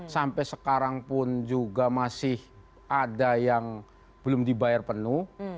sampai sekarang pun juga masih ada yang belum dibayar penuh